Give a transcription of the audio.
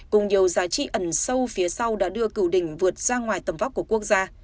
cùng nhiều giá trị ẩn sâu phía sau đã đưa cựu địch vượt ra ngoài tầm vóc của quốc gia